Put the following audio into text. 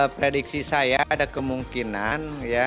prediksi saya ada kemungkinan